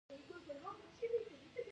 د کچالو شیره د معدې لپاره وکاروئ